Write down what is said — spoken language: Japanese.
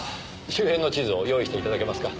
周辺の地図を用意して頂けますか？